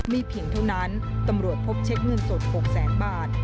เพียงเท่านั้นตำรวจพบเช็คเงินสด๖แสนบาท